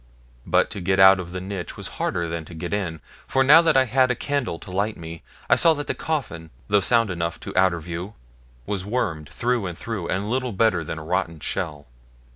But to get out of the niche was harder than to get in; for now that I had a candle to light me, I saw that the coffin, though sound enough to outer view, was wormed through and through, and little better than a rotten shell.